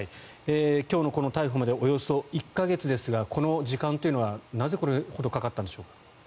今日の逮捕までおよそ１か月ですがこの時間というのはなぜこれほどかかったんでしょうか。